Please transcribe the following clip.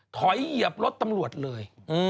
เหยียบรถตำรวจเลย